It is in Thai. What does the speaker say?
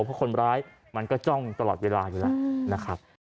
เพราะคนร้ายมันก็จ้องตลอดเวลาอยู่แล้วนะครับ